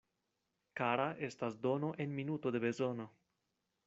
Kara estas dono en minuto de bezono.